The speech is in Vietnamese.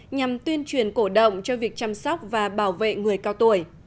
nhằm tuyên truyền cổ động cho việc chăm sóc và bảo vệ người cao tuổi